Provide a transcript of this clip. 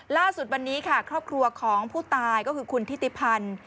ล่าสุดวันนี้ค่ะครอบครัวของผู้ตายก็คือคุณทิติพันธ์